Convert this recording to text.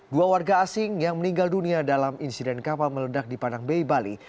dua warga asing yang meninggal dunia dalam insiden kapal meledak di padang bay bali